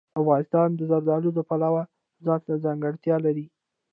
افغانستان د زردالو د پلوه ځانته ځانګړتیا لري.